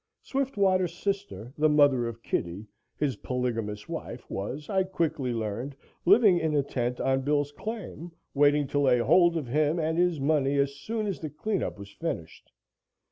Swiftwater's sister, the mother of Kitty, his polygamous wife, was, I quickly learned, living in a tent on Bill's claim, waiting to lay hold of him and his money as soon as the clean up was finished.